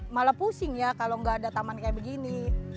malah pusing ya kalau nggak ada taman kayak begini